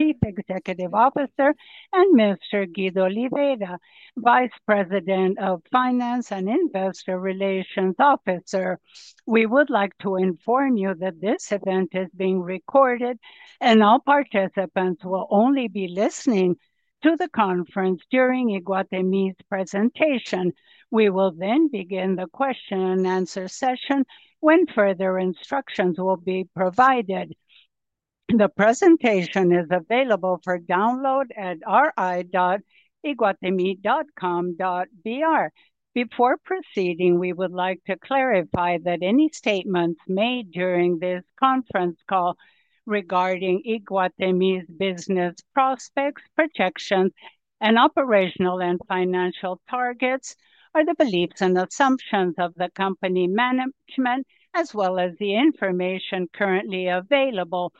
Thank you, Executive Officer and Mr. Guido Oliveira, Vice President of Finance and Investor Relations Officer. We would like to inform you that this event is being recorded, and all participants will only be listening to the conference during Iguatemi's presentation. We will then begin the question-and answer session when further instructions will be provided. The presentation is available for download at ri.iguatemi.com.br. Before proceeding, we would like to clarify that any statements made during this conference call regarding Iguatemi's business prospects, projections, operational, and financial targets are the beliefs and assumptions of the company management, as well as the information currently available.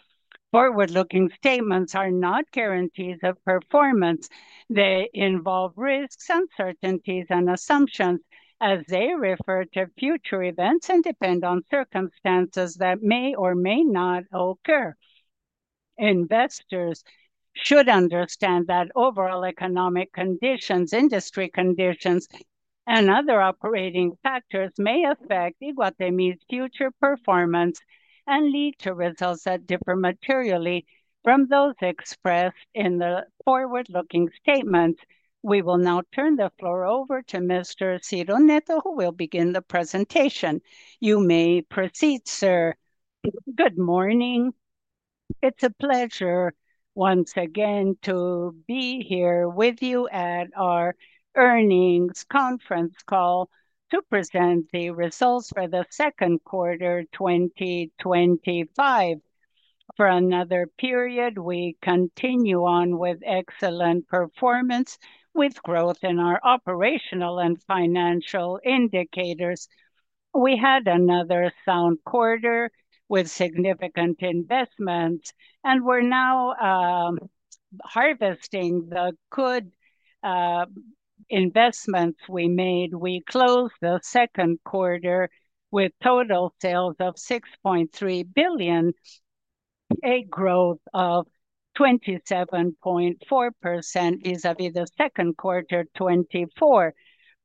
Forward-looking statements are not guarantees of performance, they involve risks, uncertainties, and assumptions as they refer to future events and depend on circumstances that may or may not occur. Investors should understand that overall economic conditions, industry conditions, and other operating factors may affect Iguatemi's future performance and lead to results that differ materially from those expressed in the forward-looking statements. We will now turn the floor over to Mr. Ciro Neto, who will begin the presentation. You may proceed, sir. Good morning. It's a pleasure once again to be here with you at our earnings conference call to present the results for the second quarter 2025. For another period, we continue on with excellent performance with growth in our operational and financial indicators. We had another sound quarter with significant investments, and we're now harvesting the good investments we made. We closed the second quarter with total sales of 6.3 billion, a growth of 27.4% vis-à-vis the second quarter 2024.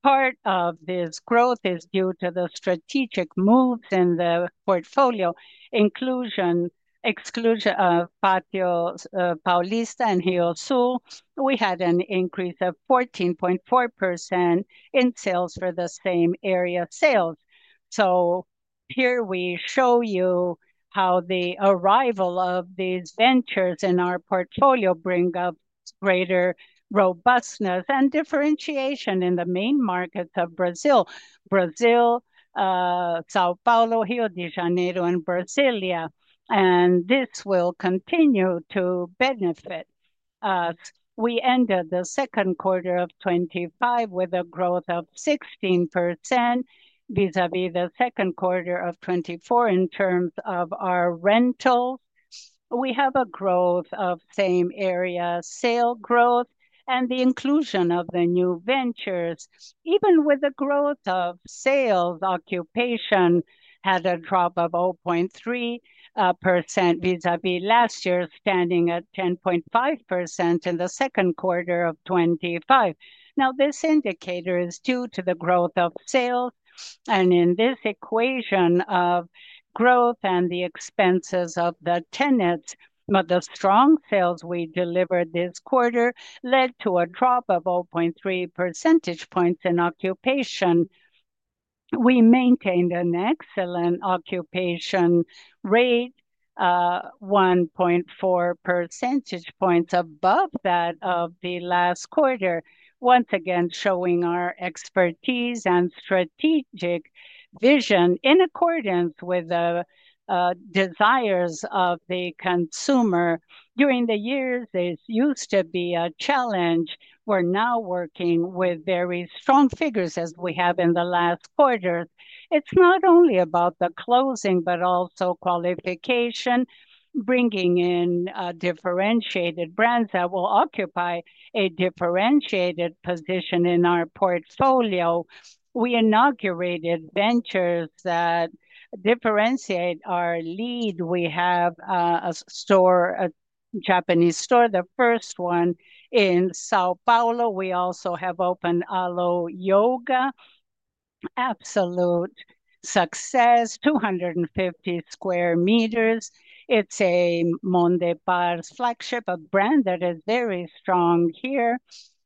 Part of this growth is due to the strategic moves in the portfolio, inclusion of Pátio Paulista and Rio Sul. We had an increase of 14.4% in sales for the same area sales. Here we show you how the arrival of these ventures in our portfolio brings up greater robustness and differentiation in the main markets of Brazil: Brazil, São Paulo, Rio de Janeiro, and Brasília. This will continue to benefit us. We ended the second quarter of 2025 with a growth of 16% vis-à-vis the second quarter of 2024 in terms of our rental. We have a growth of same area sale growth and the inclusion of the new ventures. Even with the growth of sales, occupancy had a drop of 0.3% vis-à-vis last year, standing at 10.5% in the second quarter of 2025. Now, this indicator is due to the growth of sales, and in this equation of growth and the expenses of the tenants, the strong sales we delivered this quarter led to a drop of 0.3 percentage points in occupancy. We maintained an excellent occupancy rate, 1.4 percentage points above that of the last quarter, once again showing our expertise and strategic vision in accordance with the desires of the consumer. During the years, this used to be a challenge. We're now working with very strong figures as we have in the last quarter. It's not only about the closing but also qualification, bringing in differentiated brands that will occupy a differentiated position in our portfolio. We inaugurated ventures that differentiate our lead. We have a store, a Japanese store, the first one in São Paulo. We also have opened Alo Yoga, absolute success, 250m². It's a Monday Bar flagship, a brand that is very strong here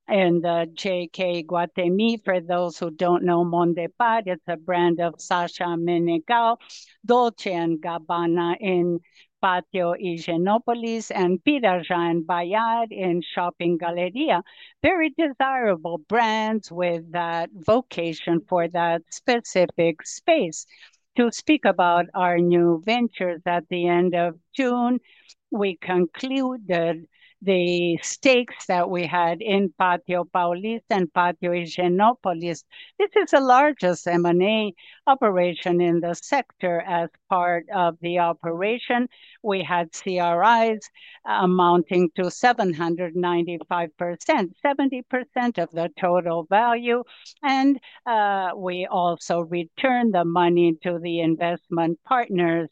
in the JK Iguatemi. For those who don't know Monday Bar, it's a brand of Sasha Meneghel, Dolce & Gabbana in Pátio Higienópolis, and Pirajá & Baiar in Shopping Galeria. Very desirable brands with that vocation for that specific space. To speak about our new ventures at the end of June, we concluded the stakes that we had in Pátio Paulista and Pátio Higienópolis. This is the largest M&A operation in the sector. As part of the operation, we had CRIs amounting to 795 million, 70% of the total value, and we also returned the money to the investment partners.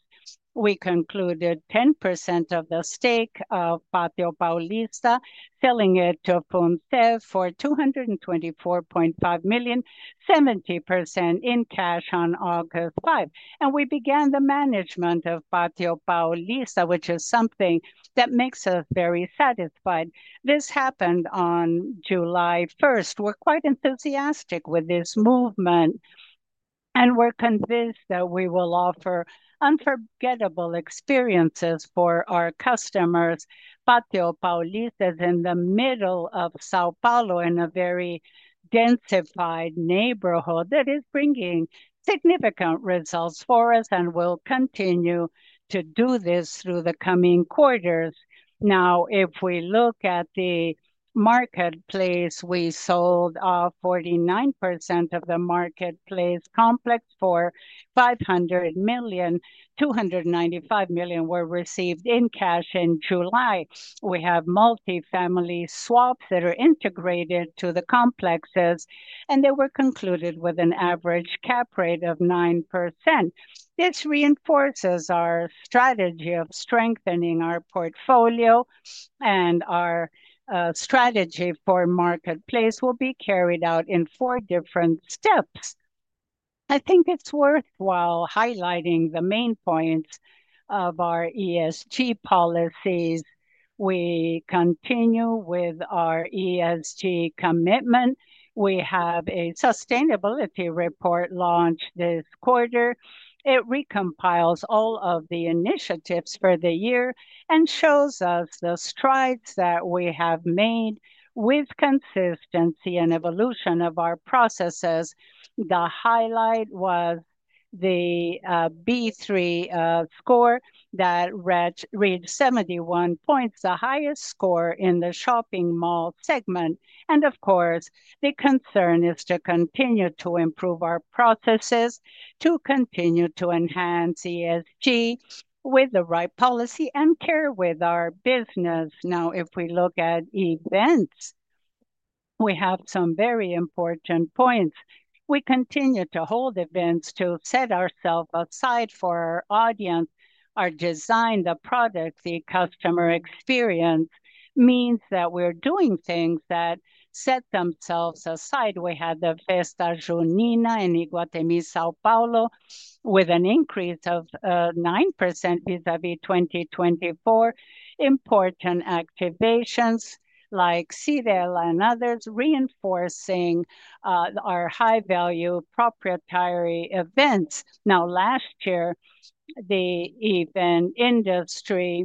We concluded 10% of the stake of Pátio Paulista, selling it to Funces for 224.5 million, 70% in cash on August 5. We began the management of Pátio Paulista, which is something that makes us very satisfied. This happened on July 1. We're quite enthusiastic with this movement, and we're convinced that we will offer unforgettable experiences for our customers. Pátio Paulista is in the middle of São Paulo, in a very densified neighborhood that is bringing significant results for us and will continue to do this through the coming quarters. Now, if we look at the Marketplace, we sold off 49% of the Marketplace complex for 500 million. 295 million were received in cash in July. We have multifamily swaps that are integrated to the complexes, and they were concluded with an average cap rate of 9%. This reinforces our strategy of strengthening our portfolio, and our strategy for Marketplace will be carried out in four different steps. I think it's worthwhile highlighting the main points of our ESG policies. We continue with our ESG commitment. We have a sustainability report launched this quarter. It recompiles all of the initiatives for the year and shows us the strides that we have made with consistency and evolution of our processes. The highlight was the B3 score that reached 71 points, the highest score in the shopping mall segment. The concern is to continue to improve our processes, to continue to enhance ESG with the right policy and care with our business. Now, if we look at events, we have some very important points. We continue to hold events to set ourselves aside for our audience. Our design, the product, the customer experience means that we're doing things that set themselves aside. We had the Festa Junina in Iguatemi, São Paulo, with an increase of 9% vis-à-vis 2024. Important activations like Cidela and others reinforcing our high-value proprietary events. Last year, the event industry,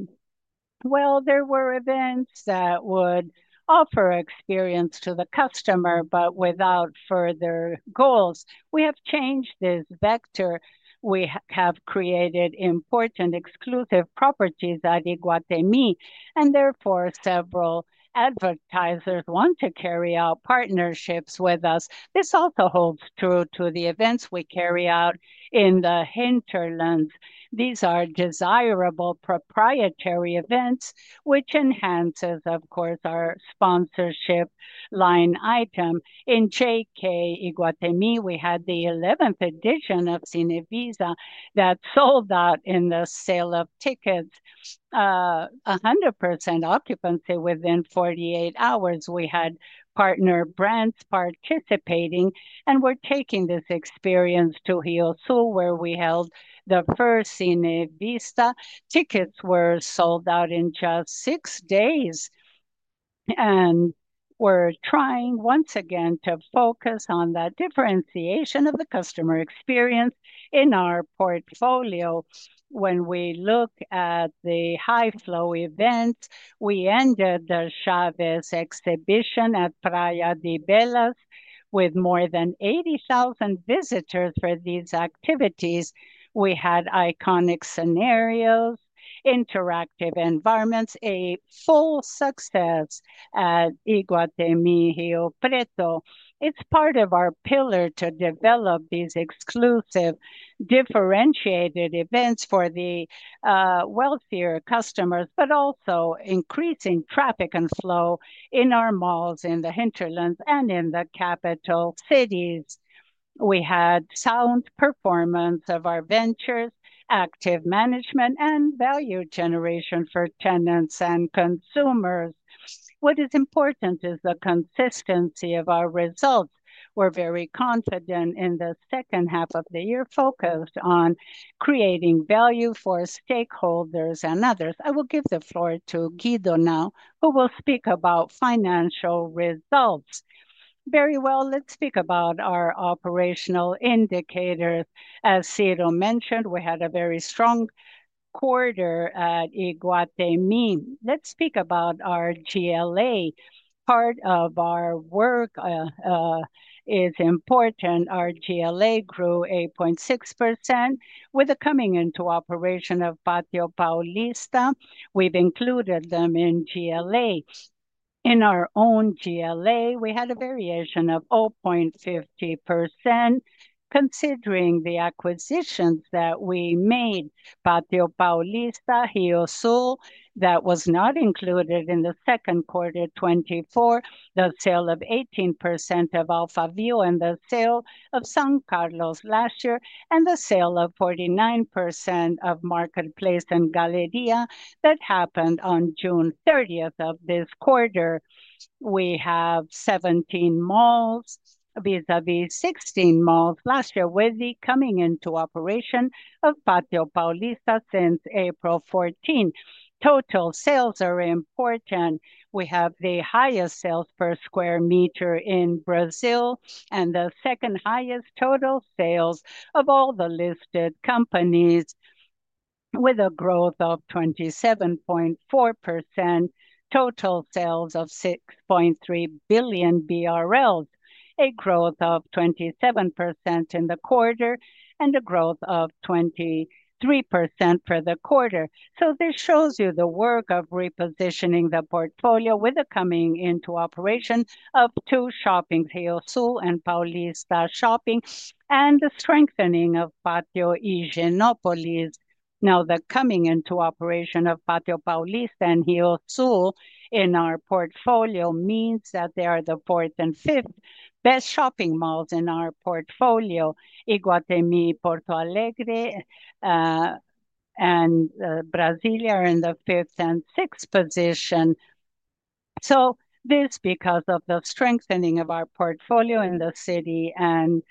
there were events that would offer experience to the customer, but without further goals. We have changed this vector. We have created important exclusive properties at Iguatemi, and therefore, several advertisers want to carry out partnerships with us. This also holds true to the events we carry out in the hinterlands. These are desirable proprietary events, which enhances, of course, our sponsorship line item. In JK Iguatemi, we had the 11th edition of Cine Vista that sold out in the sale of tickets, 100% occupancy within 48 hours. We had partner brands participating, and we're taking this experience to Rio Sul, where we held the first Cine Vista. Tickets were sold out in just six days and we're trying once again to focus on that differentiation of the customer experience in our portfolio. When we look at the high-flow events, we ended the Chaves exhibition at Praia de Belas with more than 80,000 visitors for these activities. We had iconic scenarios, interactive environments, a full success at Iguatemi Rio Preto. It's part of our pillar to develop these exclusive, differentiated events for the wealthier customers, but also increasing traffic and flow in our malls in the hinterlands and in the capital cities. We had sound performance of our ventures, active management, and value generation for tenants and consumers. What is important is the consistency of our results. We're very confident in the second half of the year, focused on creating value for stakeholders and others. I will give the floor to Guido now, who will speak about financial results. Very well, let's speak about our operational indicators. As Ciro mentioned, we had a very strong quarter at Iguatemi. Let's speak about our GLA.Part of our work is important. Our GLA grew 8.6% with the coming into operation of Pátio Paulista. We've included them in GLA. In our own GLA, we had a variation of 0.50% considering the acquisitions that we made: Pátio Paulista, Rio Sul, that was not included in the second quarter 2024, the sale of 18% of Alpha View and the sale of São Carlos last year, and the sale of 49% of Marketplace and Galeria that happened on June 30 of this quarter. We have 17 malls, vis-à-vis 16 malls last year, with the coming into operation of Pátio Paulista since April 14. Total sales are important. We have the highest sales per square meter in Brazil and the second highest total sales of all the listed companies, with a growth of 27.4%, total sales of 6.3 billion BRL, a growth of 27% in the quarter, and a growth of 23% for the quarter. This shows you the work of repositioning the portfolio with the coming into operation of two shoppings, Rio Sul and Paulista Shopping, and the strengthening of Pátio Higienópolis. Now, the coming into operation of Pátio Paulista and Rio Sul in our portfolio means that they are the fourth and fifth best shopping malls in our portfolio. Iguatemi, Porto Alegre, and Brasília are in the fifth and sixth position. This, because of the strengthening of our portfolio in the city and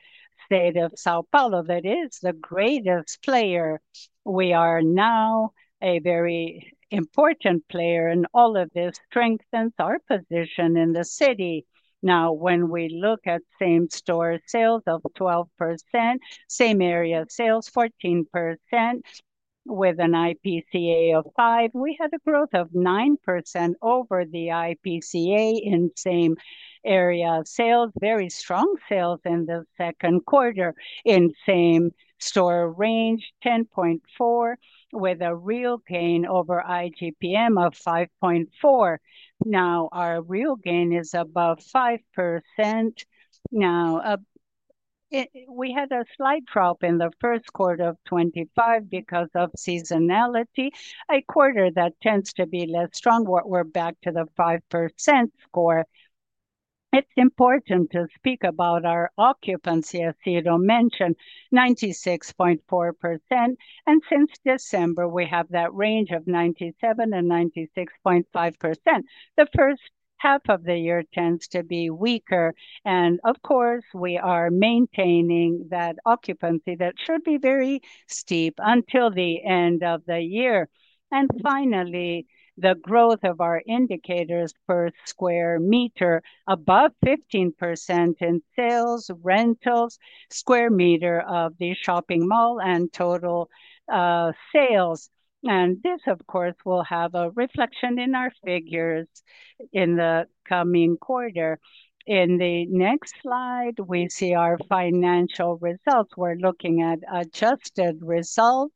state of São Paulo, that is the greatest player. We are now a very important player, and all of this strengthens our position in the city. Now, when we look at same-store sales of 12%, same-area sales 14%, with an IPCA of 5%, we had a growth of 9% over the IPCA in same-area sales, very strong sales in the second quarter. In same-store range, 10.4%, with a real gain over IGPM of 5.4%. Our real gain is above 5%. We had a slight drop in the first quarter of 2025 because of seasonality, a quarter that tends to be less strong. We're back to the 5% score. It's important to speak about our occupancy, as Ciro mentioned, 96.4%. Since December, we have that range of 97% and 96.5%. The first half of the year tends to be weaker. Of course, we are maintaining that occupancy that should be very steep until the end of the year. Finally, the growth of our indicators per square meter, above 15% in sales, rentals, square meter of the shopping mall, and total sales. This, of course, will have a reflection in our figures in the coming quarter. In the next slide, we see our financial results. We're looking at adjusted results,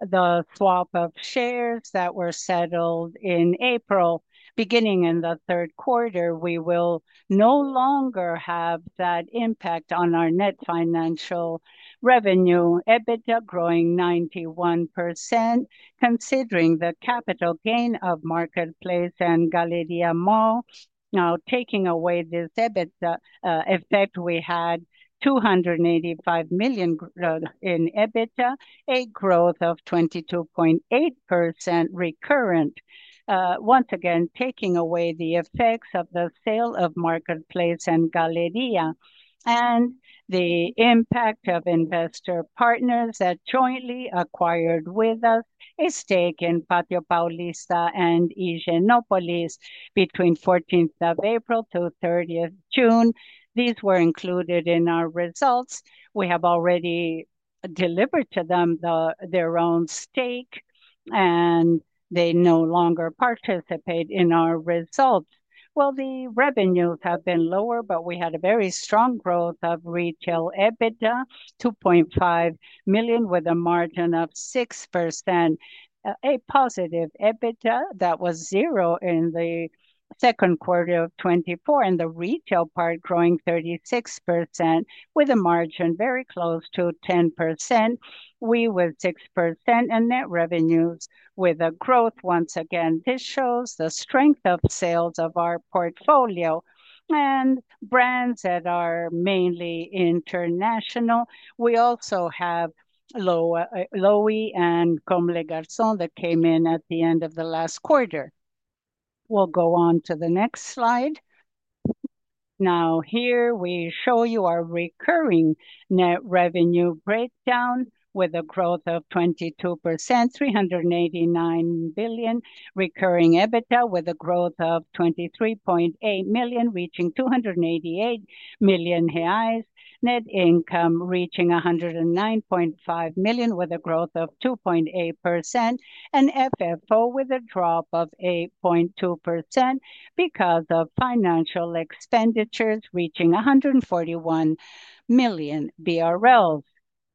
the swap of shares that were settled in April, beginning in the third quarter. We will no longer have that impact on our net financial revenue. EBITDA growing 91%, considering the capital gain of Marketplace and Galeria Mall. Now, taking away this EBITDA effect, we had 285 million in EBITDA, a growth of 22.8% recurrent. Once again, taking away the effects of the sale of Marketplace and Galeria, and the impact of investor partners that jointly acquired with us a stake in Pátio Paulista and Pátio Higienópolis between April 14 to June 30. These were included in our results. We have already delivered to them their own stake, and they no longer participate in our results. The revenues have been lower, but we had a very strong growth of retail EBITDA, 2.5 million, with a margin of 6%. A positive EBITDA that was zero in the second quarter of 2024, and the retail part growing 36%, with a margin very close to 10%. We with 6% in net revenues, with a growth once again. This shows the strength of sales of our portfolio and brands that are mainly international. We also have Alo Yoga and Comme des Garçons that came in at the end of the last quarter. We'll go on to the next slide. Here we show you our recurring net revenue breakdown, with a growth of 22%, 389 million recurring EBITDA, with a growth of 23.8 million, reaching 288 million reais; net income reaching 109.5 million, with a growth of 2.8%; and FFO with a drop of 8.2% because of financial expenditures reaching 141 million BRL.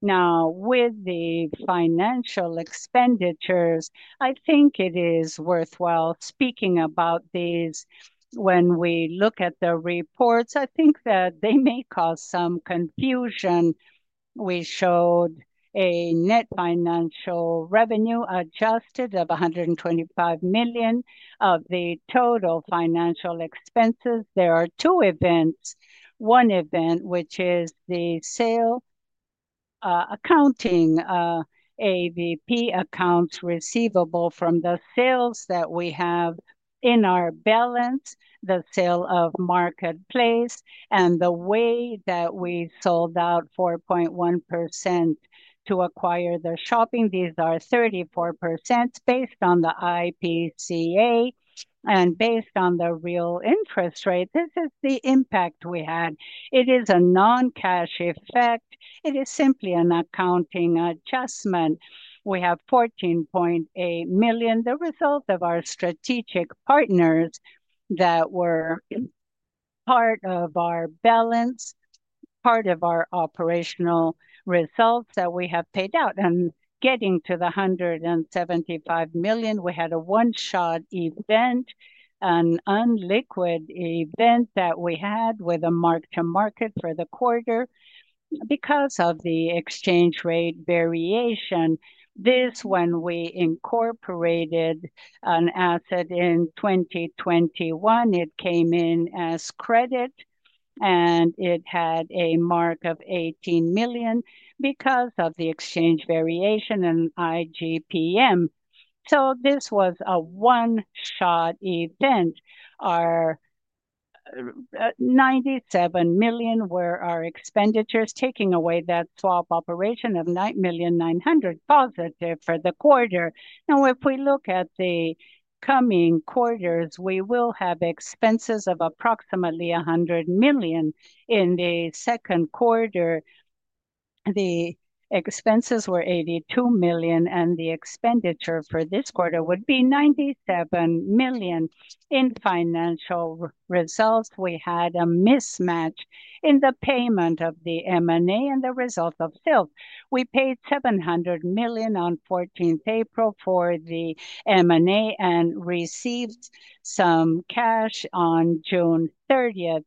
Now, with the financial expenditures, I think it is worthwhile speaking about these. When we look at the reports, I think that they may cause some confusion. We showed a net financial revenue adjusted of 125 million of the total financial expenses. There are two events. One event, which is the sale accounting, AVP accounts receivable from the sales that we have in our balance, the sale of Marketplace, and the way that we sold out 4.1% to acquire the shopping. These are 34% based on the IPCA and based on the real interest rate. This is the impact we had. It is a non-cash effect. It is simply an accounting adjustment. We have 14.8 million, the result of our strategic partners that were part of our balance, part of our operational results that we have paid out. Getting to the 175 million, we had a one-shot event, an unliquid event that we had with a mark-to-market for the quarter because of the exchange rate variation. This, when we incorporated an asset in 2021, it came in as credit, and it had a mark of 18 million because of the exchange variation and IGPM. This was a one-shot event. Our 97 million were our expenditures, taking away that swap operation of 9.9 million positive for the quarter. Now, if we look at the coming quarters, we will have expenses of approximately 100 million in the second quarter. The expenses were 82 million, and the expenditure for this quarter would be 97 million in financial results. We had a mismatch in the payment of the M&A and the result of sales. We paid 700 million on April 14 for the M&A and received some cash on June 30.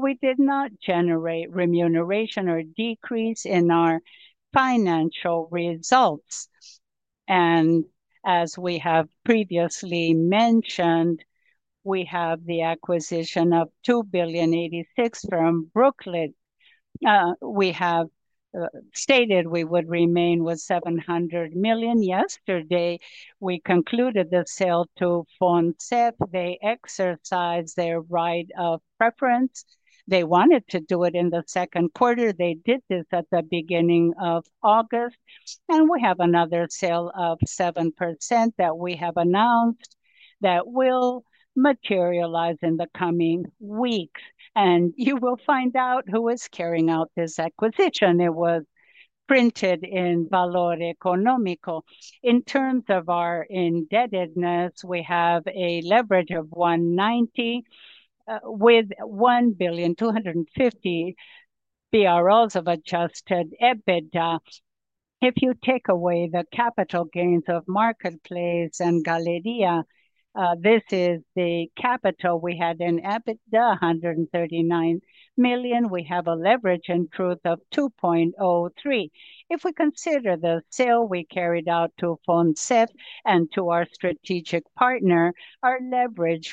We did not generate remuneration or decrease in our financial results. As we have previously mentioned, we have the acquisition of 2,086,000 from Brookfield. We have stated we would remain with 700 million yesterday. We concluded the sale to Funces; they exercised their right of preference. They wanted to do it in the second quarter. They did this at the beginning of August. We have another sale of 7% that we have announced that will materialize in the coming weeks. You will find out who is carrying out this acquisition. It was printed in Valor Econômico. In terms of our indebtedness, we have a leverage of 1.90 with 1,250,000 of adjusted EBITDA. If you take away the capital gains of Marketplace and Galeria, this is the capital we had in EBITDA, 139 million. We have a leverage in truth of 2.03. If we consider the sale we carried out to Funces and to our strategic partner, our leverage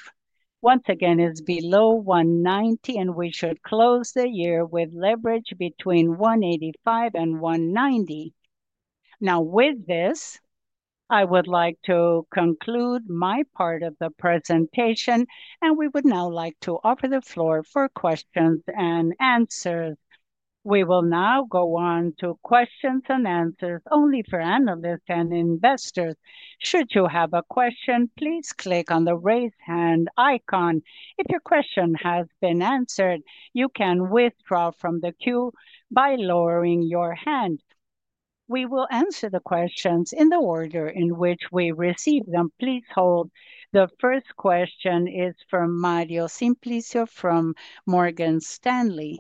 once again is below 1.90, and we should close the year with leverage between 1.85 and 1.90. With this, I would like to conclude my part of the presentation, and we would now like to offer the floor for questions and answers. We will now go on to questions and answers only for analysts and investors. Should you have a question, please click on the raise hand icon. If your question has been answered, you can withdraw from the queue by lowering your hand. We will answer the questions in the order in which we receive them. Please hold. The first question is from Mario Simplicio from Morgan Stanley.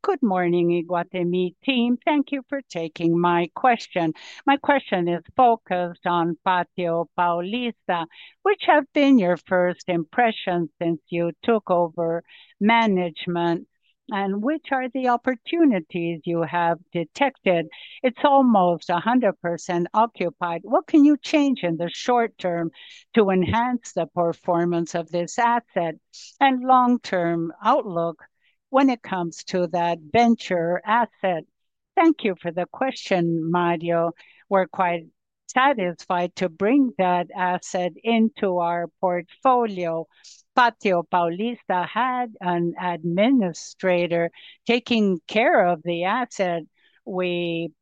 Good morning, Iguatemi team. Thank you for taking my question. My question is focused on Pátio Paulista. Which have been your first impressions since you took over management, and which are the opportunities you have detected? It's almost 100% occupied. What can you change in the short term to enhance the performance of this asset and long-term outlook when it comes to that venture asset? Thank you for the question, Mario. We're quite satisfied to bring that asset into our portfolio. Pátio Paulista had an administrator taking care of the asset. We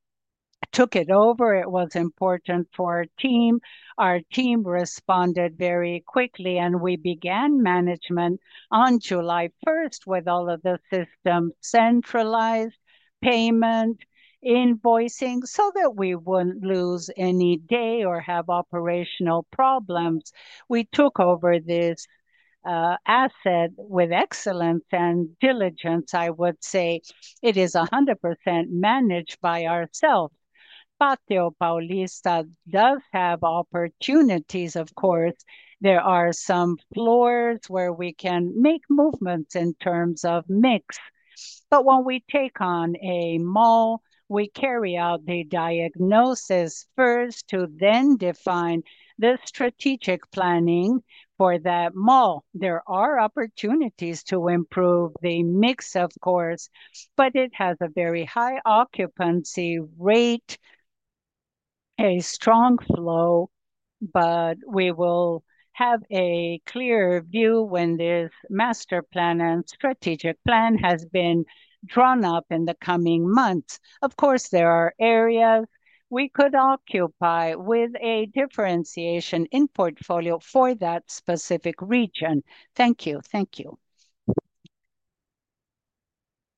took it over. It was important for our team. Our team responded very quickly, and we began management on July 1 with all of the system centralized payment invoicing so that we wouldn't lose any day or have operational problems. We took over this asset with excellence and diligence. I would say it is 100% managed by ourselves. Pátio Paulista does have opportunities, of course. There are some floors where we can make movements in terms of mix. When we take on a mall, we carry out the diagnosis first to then define the strategic planning for that mall. There are opportunities to improve the mix, of course, but it has a very high occupancy rate, a strong flow, but we will have a clear view when this master plan and strategic plan has been drawn up in the coming months. There are areas we could occupy with a differentiation in portfolio for that specific region. Thank you. Thank you.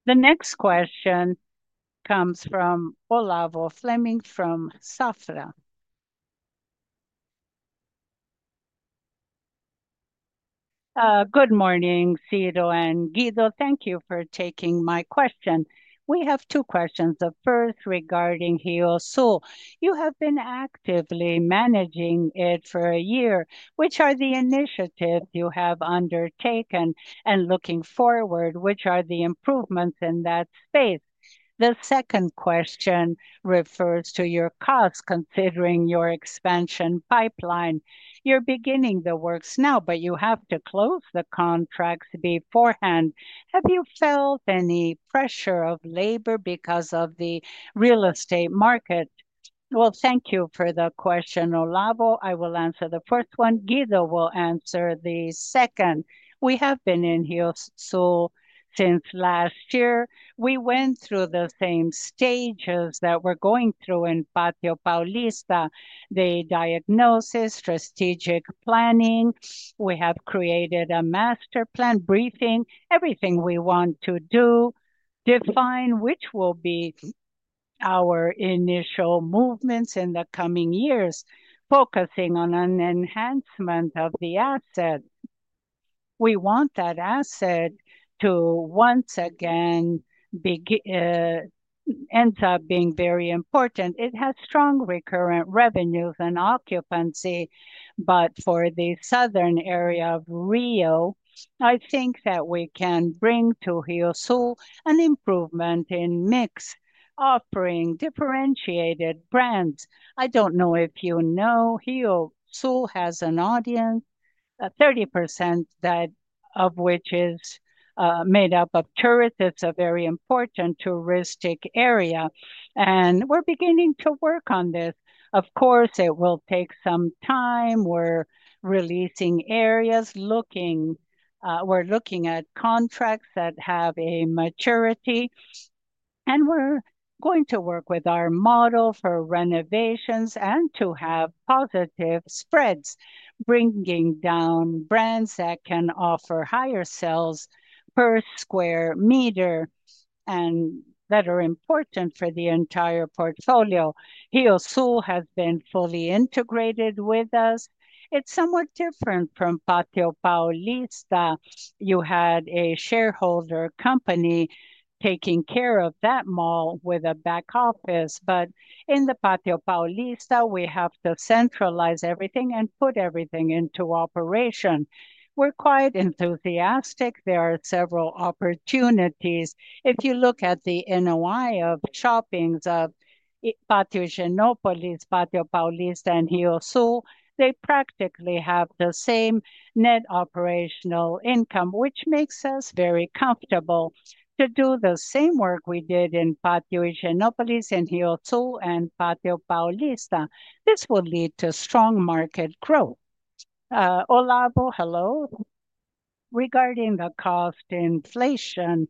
The next question comes from Olavo Fleming from Safra. Good morning, Ciro and Guido. Thank you for taking my question. We have two questions. The first regarding Rio Sul. You have been actively managing it for a year. Which are the initiatives you have undertaken and looking forward? Which are the improvements in that space? The second question refers to your costs considering your expansion pipeline. You're beginning the works now, but you have to close the contracts beforehand. Have you felt any pressure of labor because of the real estate market? Thank you for the question, Olavo. I will answer the first one. Guido will answer the second. We have been in Rio Sul since last year. We went through the same stages that we're going through in Pátio Paulista. The diagnosis, strategic planning. We have created a master plan, briefing everything we want to do, define which will be our initial movements in the coming years, focusing on an enhancement of the asset. We want that asset to once again end up being very important. It has strong recurrent revenues and occupancy, but for the southern area of Rio, I think that we can bring to Rio Sul an improvement in mix, offering differentiated brands. I don't know if you know, Rio Sul has an audience, 30% of which is made up of tourists. It's a very important touristic area, and we're beginning to work on this. Of course, it will take some time. We're releasing areas, looking at contracts that have a maturity, and we're going to work with our model for renovations and to have positive spreads, bringing down brands that can offer higher sales per square meter and that are important for the entire portfolio. Rio Sul has been fully integrated with us. It's somewhat different from Pátio Paulista. You had a shareholder company taking care of that mall with a back office, but in the Pátio Paulista, we have to centralize everything and put everything into operation. We're quite enthusiastic. There are several opportunities. If you look at the NOI of shoppings of Pátio Higienópolis, Pátio Paulista, and Rio Sul, they practically have the same net operational income, which makes us very comfortable to do the same work we did in Pátio Higienópolis, in Rio Sul, and Pátio Paulista. This will lead to strong market growth. Olavo, hello. Regarding the cost inflation,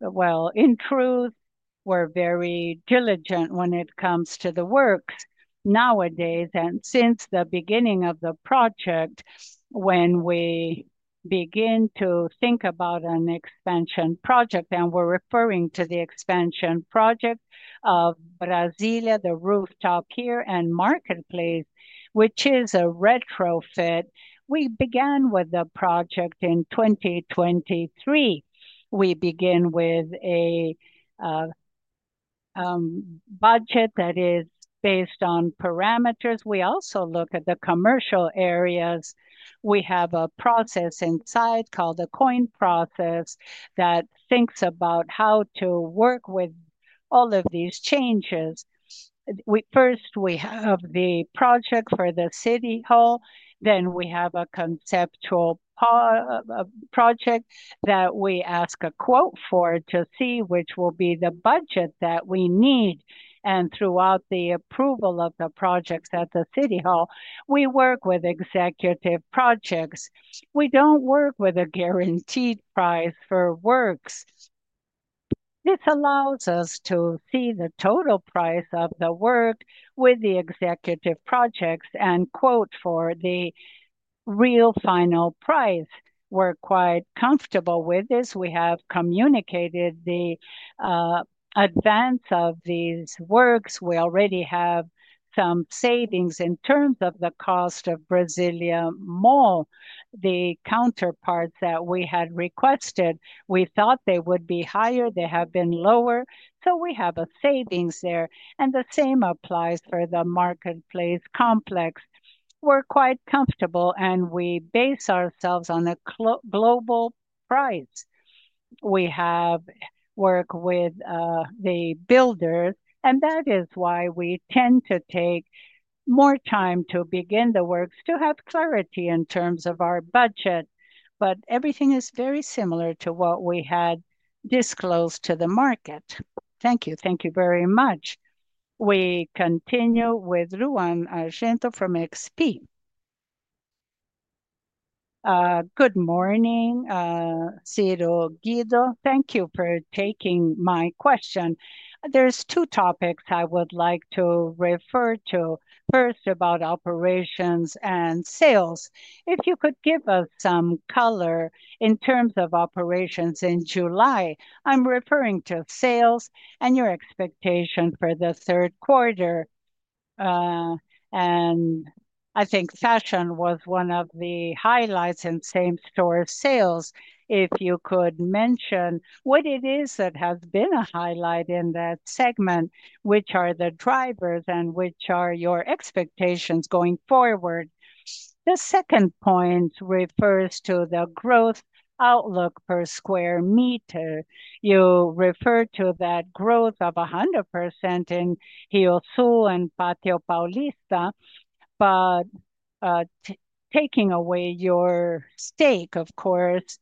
in truth, we're very diligent when it comes to the work nowadays. Since the beginning of the project, when we begin to think about an expansion project, and we're referring to the expansion project of Brasília, the rooftop here, and Marketplace, which is a retrofit, we began with the project in 2023. We begin with a budget that is based on parameters. We also look at the commercial areas. We have a process inside called the COIN process that thinks about how to work with all of these changes. First, we have the project for the City Hall. Then we have a conceptual project that we ask a quote for to see which will be the budget that we need. Throughout the approval of the projects at the City Hall, we work with executive projects. We don't work with a guaranteed price for works. This allows us to see the total price of the work with the executive projects and quote for the real final price. We're quite comfortable with this. We have communicated the advance of these works. We already have some savings in terms of the cost of Brasília Mall, the counterparts that we had requested. We thought they would be higher. They have been lower. We have savings there, and the same applies for the Marketplace complex. We're quite comfortable, and we base ourselves on a global price. We have worked with the builders, and that is why we tend to take more time to begin the works to have clarity in terms of our budget. Everything is very similar to what we had disclosed to the market. Thank you. Thank you very much. We continue with Ruan Argenton from XP. Good morning, Ciro, Guido.Thank you for taking my question. There are two topics I would like to refer to. First, about operations and sales. If you could give us some color in terms of operations in July, I'm referring to sales and your expectation for the third quarter. I think fashion was one of the highlights in same-store sales. If you could mention what it is that has been a highlight in that segment, which are the drivers and which are your expectations going forward. The second point refers to the growth outlook per square meter. You refer to that growth of 100% in Rio Sul and Pátio Paulista, but taking away your stake, of course.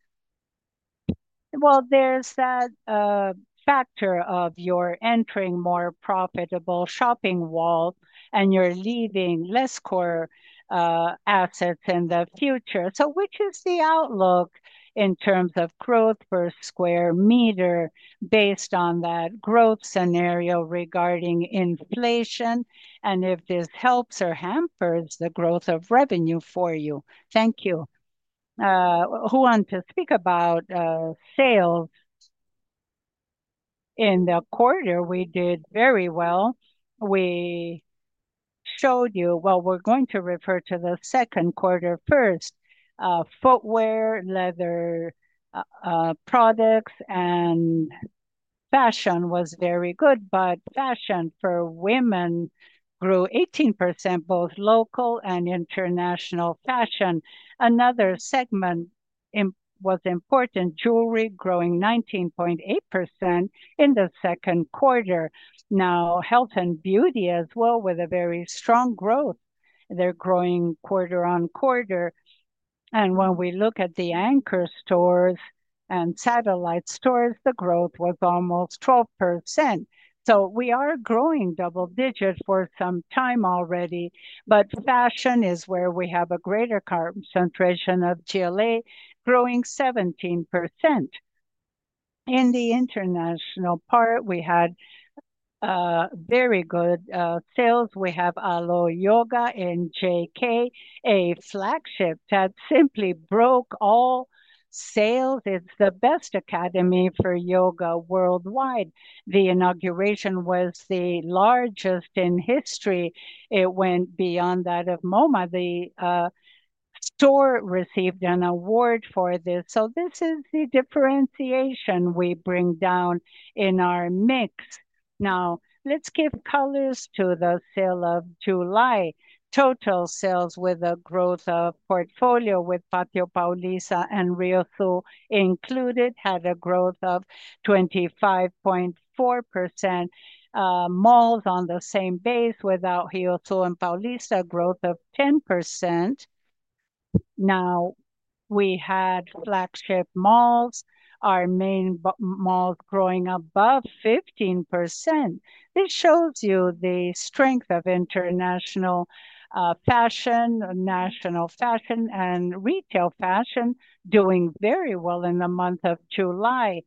There is that factor of your entering more profitable shopping malls and you're leaving less core assets in the future. What is the outlook in terms of growth per square meter based on that growth scenario regarding inflation and if this helps or hampers the growth of revenue for you? Thank you. Who wants to speak about sales? In the quarter, we did very well. We're going to refer to the second quarter first. Footwear, leather products, and fashion was very good, but fashion for women grew 18%, both local and international fashion. Another segment was important, jewelry growing 19.8% in the second quarter. Health and beauty as well, with a very strong growth. They're growing quarter on quarter. When we look at the anchor stores and satellite stores, the growth was almost 12%. We are growing double digits for some time already. Fashion is where we have a greater concentration of GLA, growing 17%. In the international part, we had very good sales. We have Alo Yoga in JK, a flagship that simply broke all sales. It's the best academy for yoga worldwide. The inauguration was the largest in history. It went beyond that of MoMA. The store received an award for this. This is the differentiation we bring down in our mix. Now, let's give colors to the sale of July. Total sales with a growth of portfolio with Pátio Paulista and Rio Sul included had a growth of 25.4%. Malls on the same base without Rio Sul and Paulista, a growth of 10%. We had flagship malls, our main malls growing above 15%. This shows you the strength of international fashion, national fashion, and retail fashion doing very well in the month of July.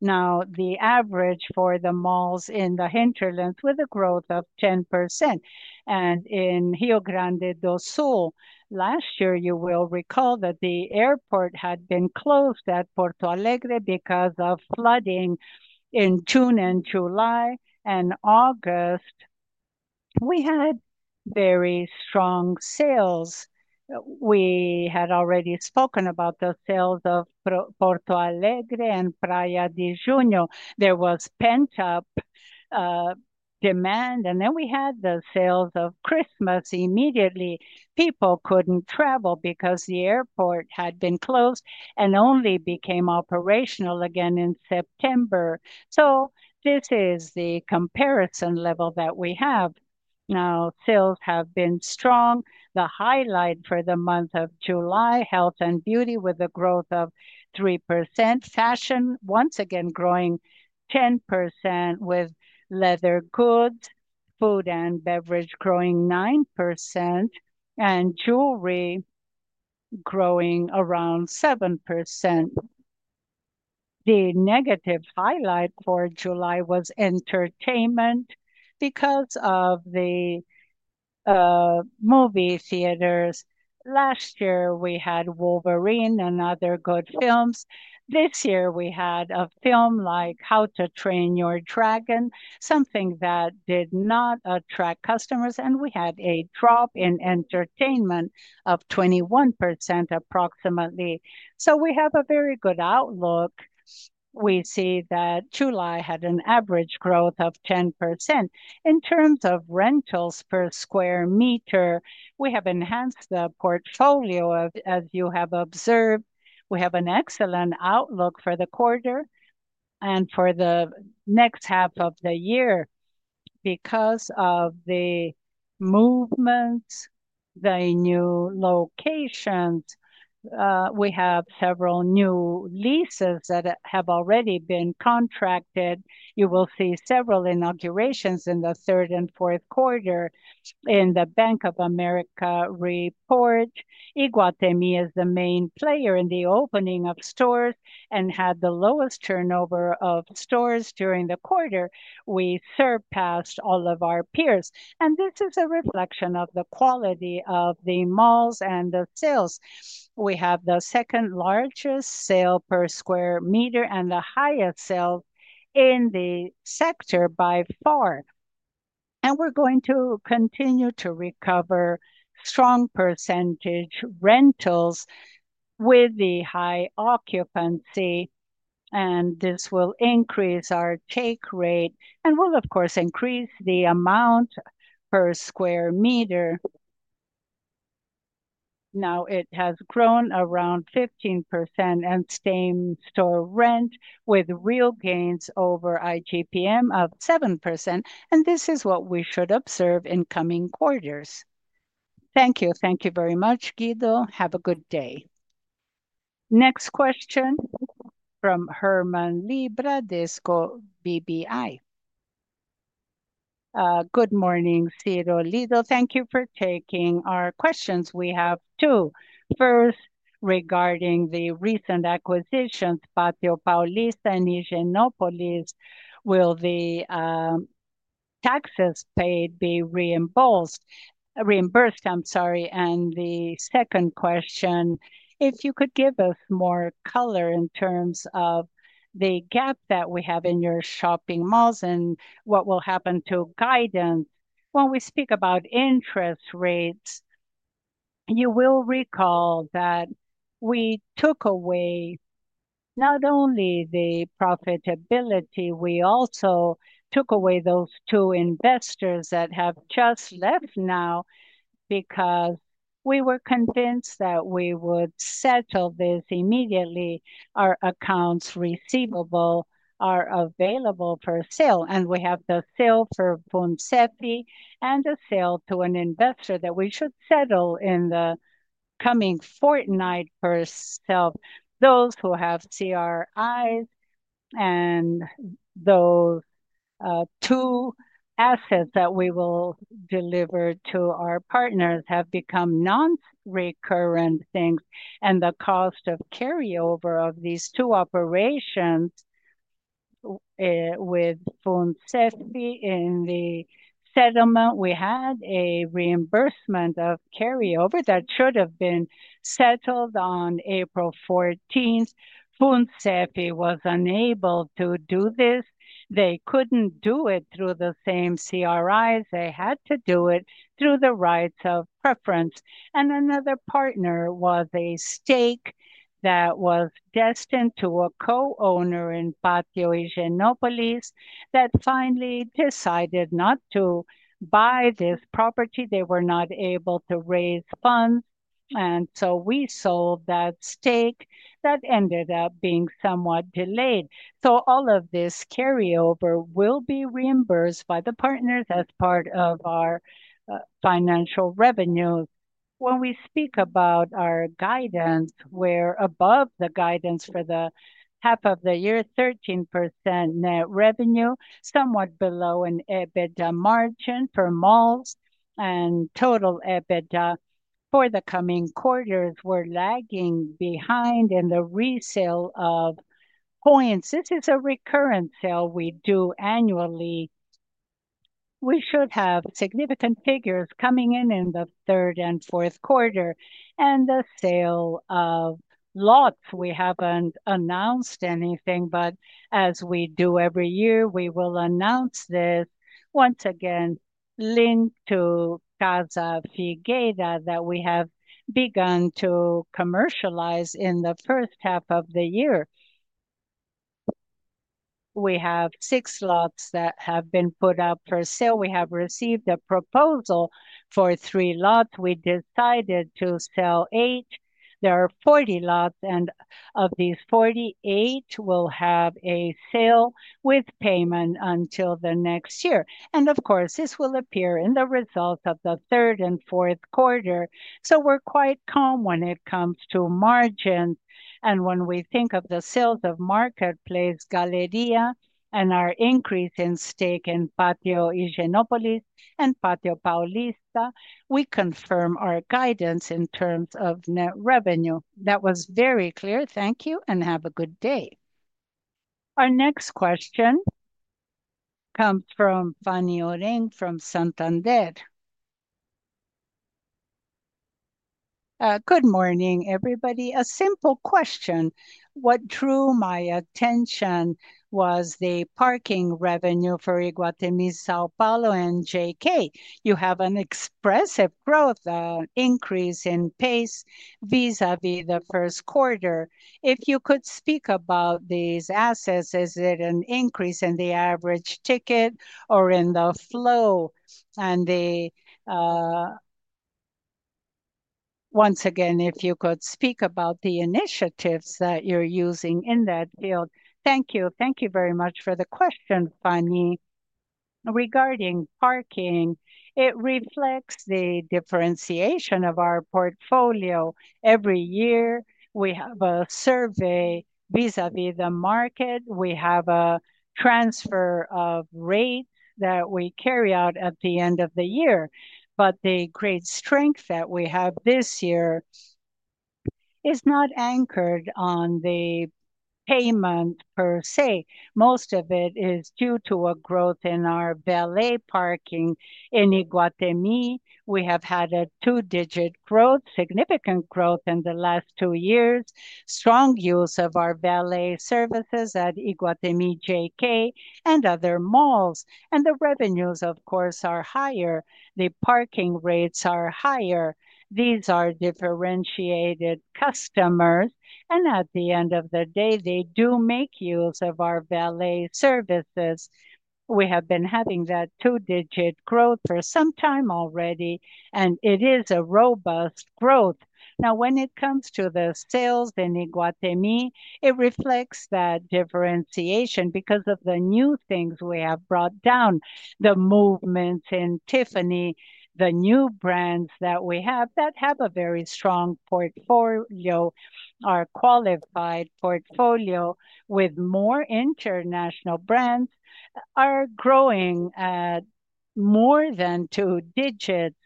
The average for the malls in the hinterlands with a growth of 10%. In Rio Grande do Sul, last year, you will recall that the airport had been closed at Porto Alegre because of flooding in June and July. August, we had very strong sales. We had already spoken about the sales of Porto Alegre and Praia de Junho. There was pent-up demand, and then we had the sales of Christmas. Immediately, people couldn't travel because the airport had been closed and only became operational again in September. This is the comparison level that we have. Sales have been strong. The highlight for the month of July, health and beauty, with a growth of 3%. Fashion, once again, growing 10% with leather goods, food and beverage growing 9%, and jewelry growing around 7%. The negative highlight for July was entertainment because of the movie theaters. Last year, we had Wolverine and other good films. This year, we had a film like How to Train Your Dragon, something that did not attract customers, and we had a drop in entertainment of 21% approximately. We have a very good outlook. We see that July had an average growth of 10%. In terms of rentals per square meter, we have enhanced the portfolio, as you have observed. We have an excellent outlook for the quarter and for the next half of the year because of the movements, the new locations. We have several new leases that have already been contracted. You will see several inaugurations in the third and fourth quarter. In the Bank of America report, Iguatemi is the main player in the opening of stores and had the lowest turnover of stores during the quarter. We surpassed all of our peers. This is a reflection of the quality of the malls and the sales. We have the second largest sale per square meter and the highest sale in the sector by far. We are going to continue to recover strong percentage rentals with the high occupancy, and this will increase our take rate and will, of course, increase the amount per square meter. Now, it has grown around 15% in same-store rent with real gains over IGPM of 7%. This is what we should observe in coming quarters. Thank you. Thank you very much, Guido. Have a good day. Next question from Herman Libra, Disco BBI. Good morning, Ciro, Guido. Thank you for taking our questions. We have two. First, regarding the recent acquisitions, Pátio Paulista and Higienópolis, will the taxes paid be reimbursed? I'm sorry. The second question, if you could give us more color in terms of the gap that we have in your shopping malls and what will happen to guidance. When we speak about interest rates, you will recall that we took away not only the profitability, we also took away those two investors that have just left now because we were convinced that we would settle this immediately. Our accounts receivable are available for sale. We have the sale for Funces and a sale to an investor that we should settle in the coming fortnight per sale. Those who have CRIs and those two assets that we will deliver to our partners have become non-recurrent things. The cost of carryover of these two operations with Funces in the settlement, we had a reimbursement of carryover that should have been settled on April 14. Funces was unable to do this. They could not do it through the same CRIs. They had to do it through the rights of preference. Another partner was a stake that was destined to a co-owner in Pátio Higienópolis that finally decided not to buy this property. They were not able to raise funds, and so we sold that stake that ended up being somewhat delayed. All of this carryover will be reimbursed by the partners as part of our financial revenue. When we speak about our guidance, we are above the guidance for the half of the year, 13% net revenue, somewhat below an EBITDA margin for malls, and total EBITDA for the coming quarters, we are lagging behind in the resale of coins. This is a recurrent sale we do annually. We should have significant figures coming in in the third and fourth quarter. The sale of lots, we have not announced anything, but as we do every year, we will announce this once again, linked to Casa Figueira that we have begun to commercialize in the first half of the year. We have six lots that have been put up for sale. We have received a proposal for three lots. We decided to sell eight. There are 40 lots, and of these 48, we'll have a sale with payment until the next year. This will appear in the results of the third and fourth quarter. We're quite calm when it comes to margins. When we think of the sales of Marketplace, Galeria, and our increase in stake in Pátio Higienópolis and Pátio Paulista, we confirm our guidance in terms of net revenue. That was very clear. Thank you and have a good day. Our next question comes from Fanny Ourin from Santander. Good morning, everybody. A simple question. What drew my attention was the parking revenue for Iguatemi, São Paulo, and JK. You have an expressive growth, an increase in pace vis-à-vis the first quarter. If you could speak about these assets, is it an increase in the average ticket or in the flow? Once again, if you could speak about the initiatives that you're using in that field. Thank you. Thank you very much for the question, Fanny. Regarding parking, it reflects the differentiation of our portfolio. Every year, we have a survey vis-à-vis the market. We have a transfer of rates that we carry out at the end of the year. The great strength that we have this year is not anchored on the payment per se. Most of it is due to a growth in our valet parking in Iguatemi. We have had a two-digit growth, significant growth in the last two years, strong use of our valet services at Iguatemi, JK, and other malls. The revenues, of course, are higher. The parking rates are higher. These are differentiated customers. At the end of the day, they do make use of our valet services. We have been having that two-digit growth for some time already, and it is a robust growth. When it comes to the sales in Iguatemi, it reflects that differentiation because of the new things we have brought down, the movements in Tiffany, the new brands that we have that have a very strong portfolio, our qualified portfolio with more international brands are growing at more than two digits.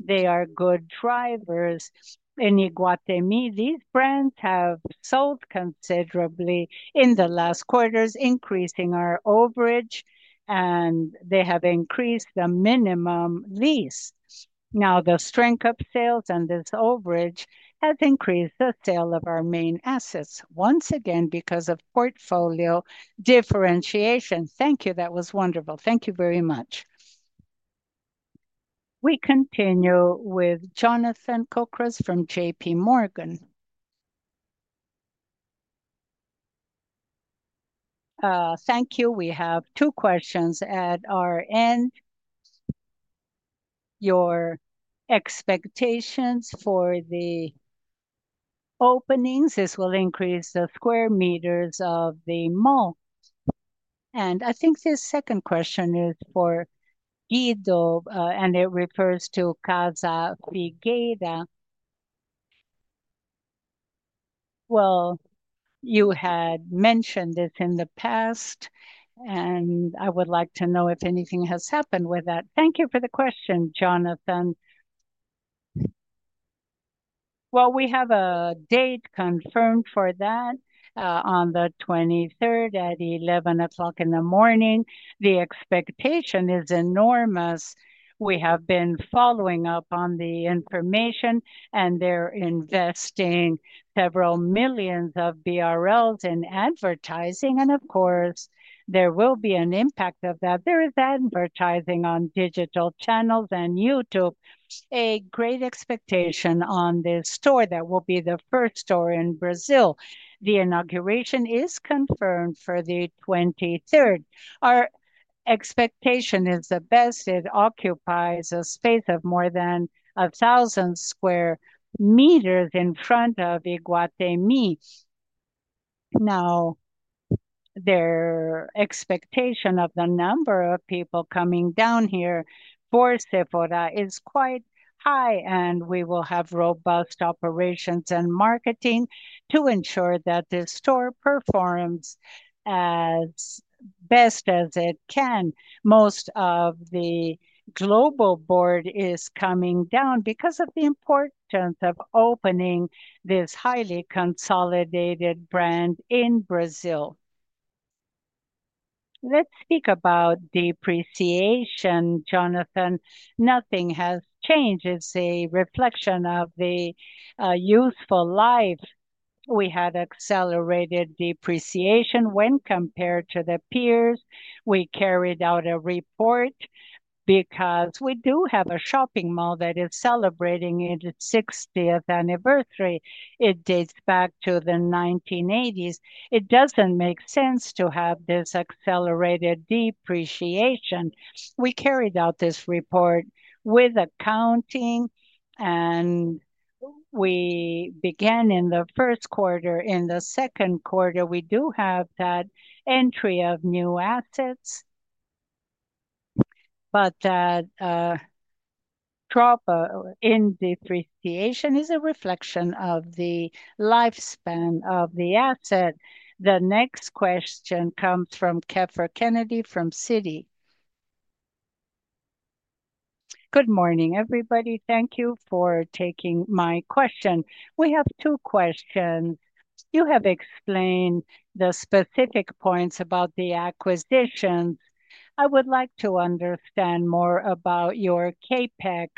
They are good drivers in Iguatemi. These brands have sold considerably in the last quarters, increasing our overage, and they have increased the minimum lease. The strength of sales and this overage has increased the sale of our main assets, once again, because of portfolio differentiation. Thank you. That was wonderful. Thank you very much. We continue with Jonathan Cocres from J.P. Morgan. Thank you. We have two questions at our end. Your expectations for the openings, this will increase the square meters of the mall. I think this second question is for Guido, and it refers to Casa Figueira. You had mentioned this in the past, and I would like to know if anything has happened with that. Thank you for the question, Jonathan. We have a date confirmed for that on the 23rd at 11:00 A.M. The expectation is enormous. We have been following up on the information, and they're investing several millions of BRL in advertising. Of course, there will be an impact of that. There is advertising on digital channels and YouTube. A great expectation on this store that will be the first store in Brazil. The inauguration is confirmed for the 23rd. Our expectation is the best. It occupies a space of more than 1,000 square meters in front of Iguatemi. Now, their expectation of the number of people coming down here for Sephora is quite high, and we will have robust operations and marketing to ensure that this store performs as best as it can. Most of the global board is coming down because of the importance of opening this highly consolidated brand in Brazil. Let's speak about depreciation, Jonathan. Nothing has changed. It's a reflection of the youthful life. We had accelerated depreciation when compared to the peers. We carried out a report because we do have a shopping mall that is celebrating its 60th anniversary. It dates back to the 1980s. It doesn't make sense to have this accelerated depreciation. We carried out this report with accounting, and we began in the first quarter. In the second quarter, we do have that entry of new assets, but that drop in depreciation is a reflection of the lifespan of the asset. The next question comes from Keffer Kennedy from Citi. Good morning, everybody. Thank you for taking my question. We have two questions. You have explained the specific points about the acquisitions. I would like to understand more about your CapEx.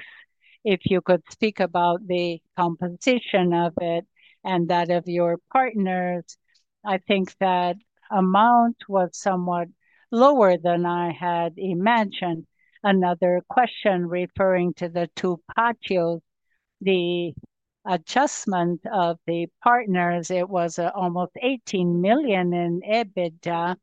If you could speak about the composition of it and that of your partners. I think that amount was somewhat lower than I had imagined. Another question referring to the two patios, the adjustment of the partners. It was almost 18 million in EBITDA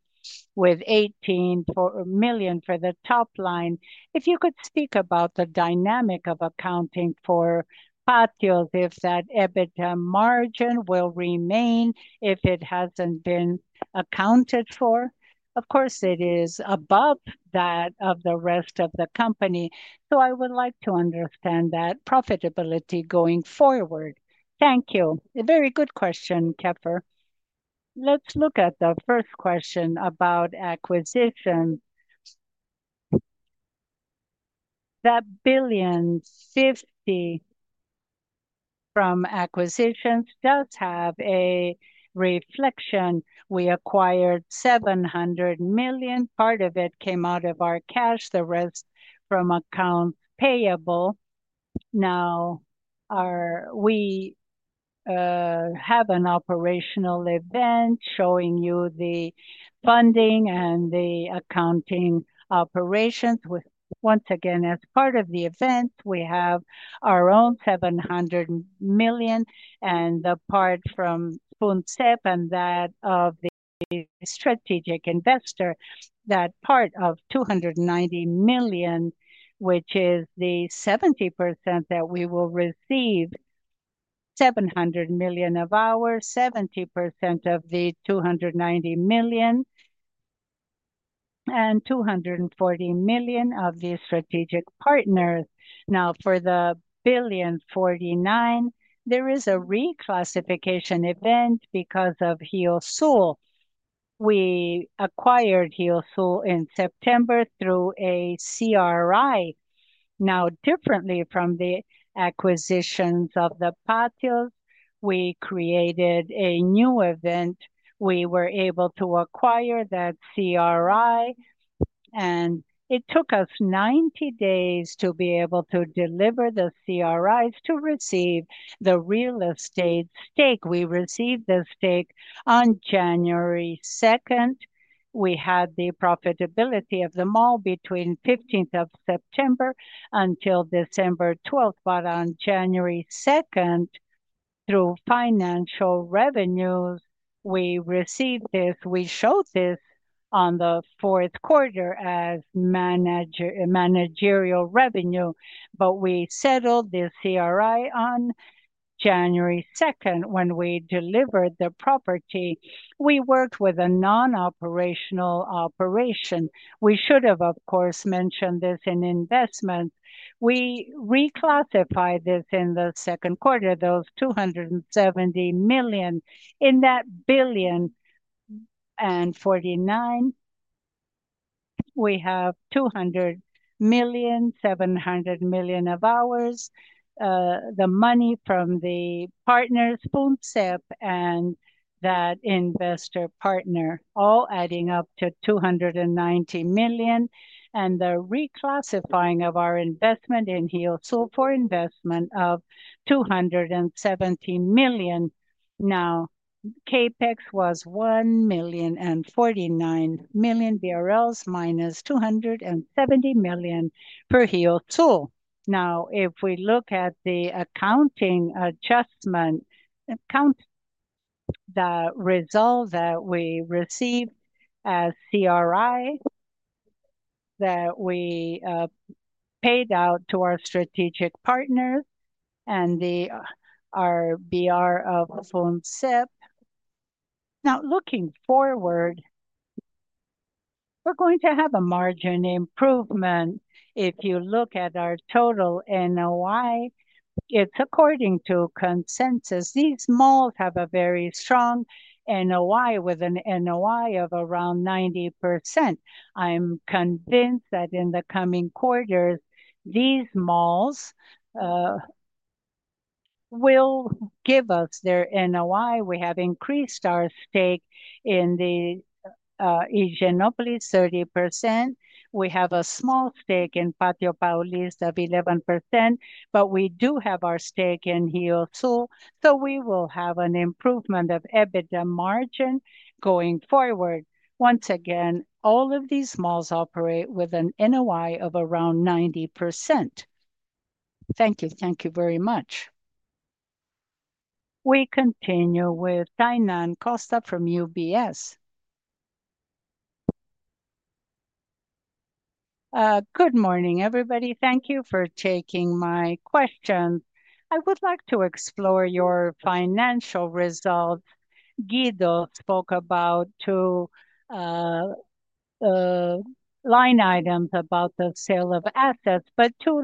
with 18 million for the top line. If you could speak about the dynamic of accounting for patios, if that EBITDA margin will remain, if it hasn't been accounted for. Of course, it is above that of the rest of the company. I would like to understand that profitability going forward. Thank you. A very good question, Keffer. Let's look at the first question about acquisitions. That BRL 1.05 billion from acquisitions does have a reflection. We acquired 700 million. Part of it came out of our cash, the rest from accounts payable. Now, we have an operational event showing you the funding and the accounting operations. Once again, as part of the event, we have our own 700 million and the part from Funces and that of the strategic investor, that part of 290 million, which is the 70% that we will receive. 700 million of ours, 70% of the 290 million, and 240 million of the strategic partners. Now, for the 1.049 billion, there is a reclassification event because of Rio Sul. We acquired Rio Sul in September through a CRI. Differently from the acquisitions of the Pátios, we created a new event. We were able to acquire that CRI, and it took us 90 days to be able to deliver the CRIs to receive the real estate stake. We received the stake on January 2. We had the profitability of the mall between September 15 until December 12. On January 2, through financial revenues, we received this. We showed this on the fourth quarter as managerial revenue, but we settled this CRI on January 2 when we delivered the property. We worked with a non-operational operation. We should have, of course, mentioned this in investments. We reclassified this in the second quarter, those 270 million. In that 1.049 billion, we have 200 million, 700 million of ours, the money from the partners, Funces and that investor partner, all adding up to 290 million, and the reclassifying of our investment in Rio Sul for investment of 217 million. Now, CapEx was 1.049 billion BRL minus 270 million for Rio Sul. If we look at the accounting adjustment, account the result that we received as CRI that we paid out to our strategic partners and our BR of Funces. Looking forward, we're going to have a margin improvement. If you look at our total NOI, it's according to consensus. These malls have a very strong NOI with an NOI of around 90%. I'm convinced that in the coming quarters, these malls will give us their NOI. We have increased our stake in the Higienópolis 30%. We have a small stake in Pátio Paulista of 11%, but we do have our stake in Rio Sul. We will have an improvement of EBITDA margin going forward. Once again, all of these malls operate with an NOI of around 90%. Thank you. Thank you very much. We continue with Diane Costa from UBS. Good morning, everybody. Thank you for taking my question. I would like to explore your financial results. Guido spoke about two line items about the sale of assets, but two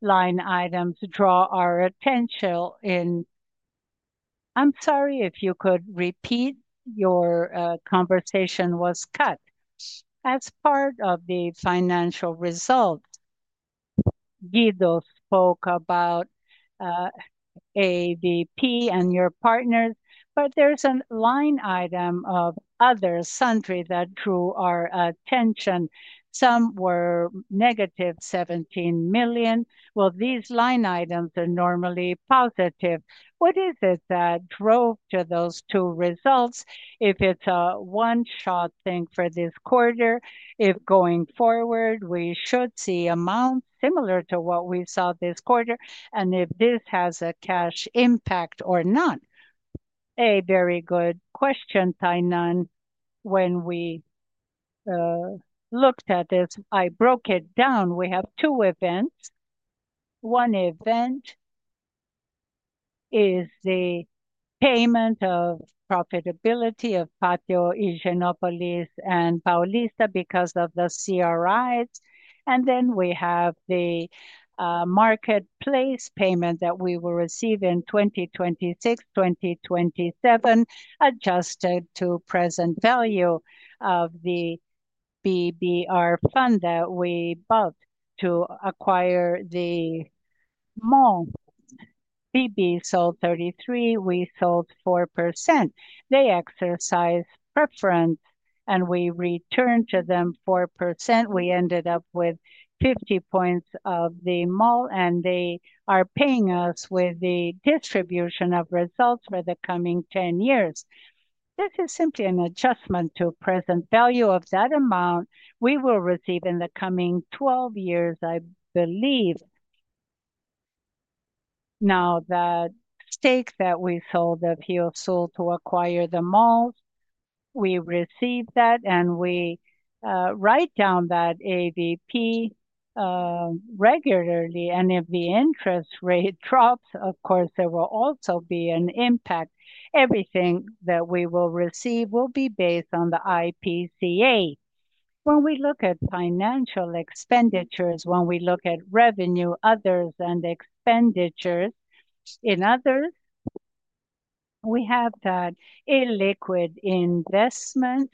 line items draw our attention in. I'm sorry, if you could repeat, your conversation was cut. As part of the financial results, Guido spoke about AVP and your partners, but there's a line item of other sundry that drew our attention. Some were negative 17 million. These line items are normally positive. What is it that drove to those two results? If it's a one-shot thing for this quarter, if going forward, we should see amounts similar to what we saw this quarter, and if this has a cash impact or not. A very good question, Diane. When we looked at this, I broke it down. We have two events. One event is the payment of profitability of Pátio Higienópolis and Pátio Paulista because of the CRIs. We have the Marketplace payment that we will receive in 2026, 2027, adjusted to present value of the BBR fund that we bought to acquire the mall. BB sold 33%. We sold 4%. They exercised preference, and we returned to them 4%. We ended up with 50 points of the mall, and they are paying us with the distribution of results for the coming 10 years. This is simply an adjustment to present value of that amount we will receive in the coming 12 years, I believe. That stake that we sold of Rio Sul to acquire the mall, we received that, and we write down that AVP regularly. If the interest rate drops, of course, there will also be an impact. Everything that we will receive will be based on the IPCA. When we look at financial expenditures, when we look at revenue, others, and expenditures in others, we have that illiquid investment.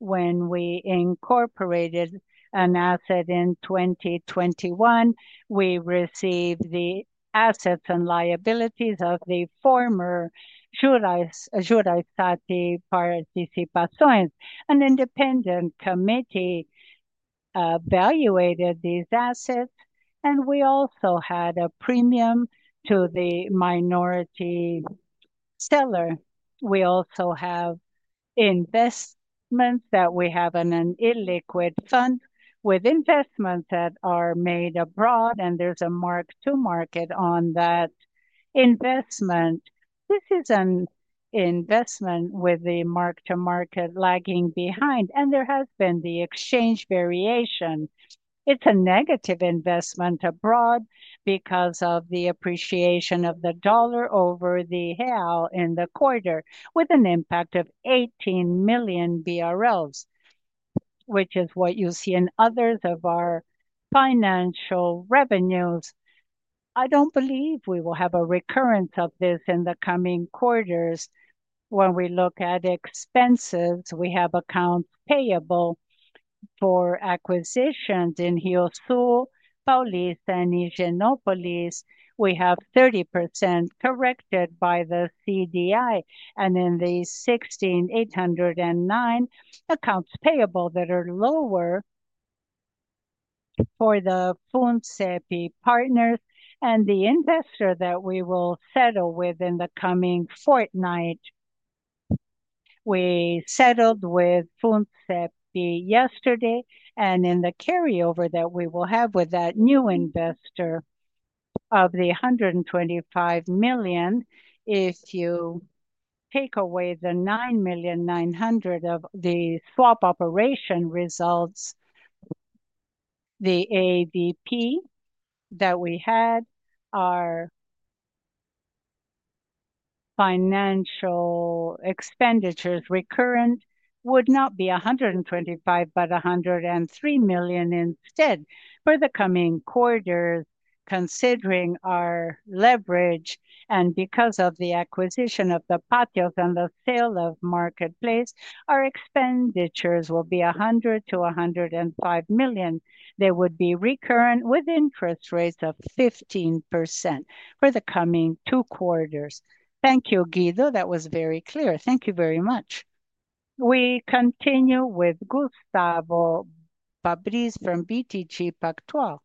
When we incorporated an asset in 2021, we received the assets and liabilities of the former Jereissati Participações, an independent committee evaluated these assets, and we also had a premium to the minority seller. We also have investments that we have in an illiquid fund with investments that are made abroad, and there's a mark-to-market on that investment. This is an investment with the mark-to-market lagging behind, and there has been the exchange variation. It's a negative investment abroad because of the appreciation of the dollar over the real in the quarter, with an impact of 18 million BRL, which is what you see in others of our financial revenues. I don't believe we will have a recurrence of this in the coming quarters. When we look at expenses, we have accounts payable for acquisitions in Rio Sul, Pátio Paulista, and Pátio Higienópolis. We have 30% corrected by the CDI. In the 16,809 accounts payable that are lower for the Funces partners and the investor that we will settle within the coming fortnight, we settled with Funces yesterday, and in the carryover that we will have with that new investor of the 125 million, if you take away the 9,900 of the swap operation results, the AVP that we had, our financial expenditures recurrent would not be 125, but 103 million instead. For the coming quarters, considering our leverage and because of the acquisition of the Pátios and the sale of Marketplace, our expenditures will be 100 to 105 million. They would be recurrent with interest rates of 15% for the coming two quarters. Thank you, Guido. That was very clear. Thank you very much. We continue with Gustavo Fabriz from BTG Pactual.